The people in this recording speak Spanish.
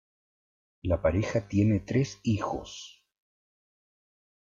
La pareja tiene tres hijos.